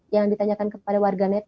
yang ditanyakan kepada warganet